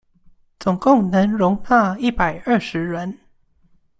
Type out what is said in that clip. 總共能夠容納一百二十人